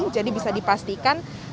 jadi bisa dipastikan